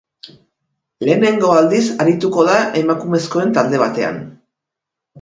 Lehenengo aldiz arituko da emakumezkoen talde batean.